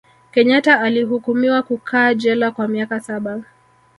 kenyata alihukumiwa kukaa jela kwa miaka saba